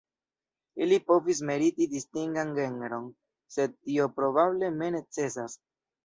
Ili povus meriti distingan genron, sed tio probable ne necesas.